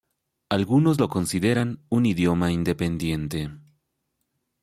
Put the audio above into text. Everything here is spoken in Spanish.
Algunos lo consideran un idioma independiente.